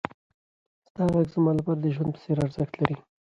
ستا غږ زما لپاره د ژوند په څېر ارزښت لري.